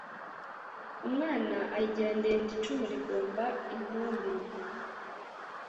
Umwana ayigira ndende icumu rigomba intumbi